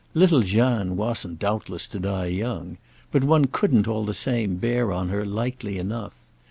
Little Jeanne wasn't, doubtless, to die young, but one couldn't, all the same, bear on her lightly enough.